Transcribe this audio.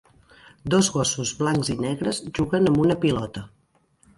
Dos gossos blancs i negres juguen amb un pilota.